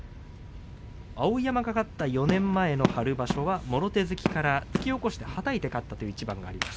碧山が勝った４年前の春場所は、もろ手突きから突き起こして、はたいて勝ったという一番があります。